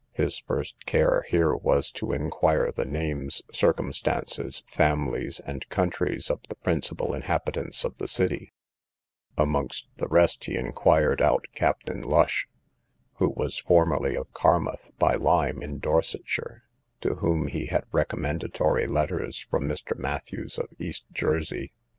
His first care here was to inquire the names, circumstances, families, and countries, of the principal inhabitants of the city; amongst the rest he inquired out Captain Lush, who was formerly of Carmouth, by Lime, in Dorsetshire, to whom he had recommendatory letters from Mr. Matthews, of East Jersey.